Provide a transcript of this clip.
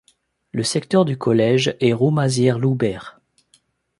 Le secteur du collège est Roumazières-Loubert.